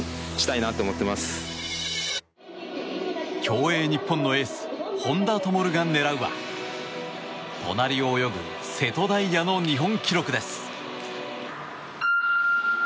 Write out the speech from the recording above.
競泳日本のエース本多灯が狙うは隣を泳ぐ瀬戸大也の日本記録です。